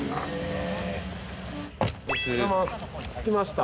着きました